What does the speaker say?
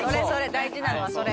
大事なのはそれ。